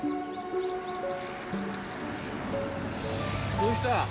どうした？